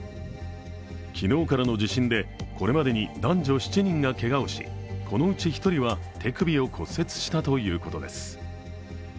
昨日からの地震でこれまでに男女７人がけがをしこのうち１人は手首を骨折したということです。